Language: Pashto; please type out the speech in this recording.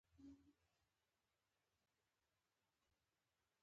د پکتیکا په وازیخوا کې د تیلو نښې شته.